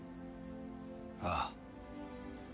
ああ。